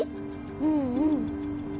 うんうん。